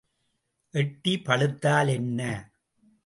எட்டி பழுத்தால் என்ன?